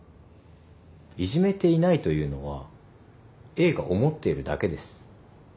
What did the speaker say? いじめていないというのはＡが思っているだけです。